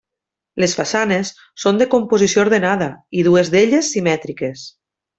Les façanes són de composició ordenada i dues d'elles simètriques.